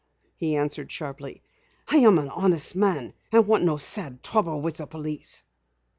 he answered sharply. "I am an honest man and want no sad trouble with the police."